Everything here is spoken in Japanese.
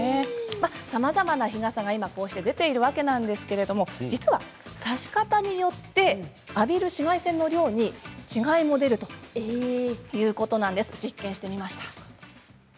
さまざまな日傘が今こうして出ているわけなんですけれど実は差し方によって浴びる紫外線の量に違いも出るというんです。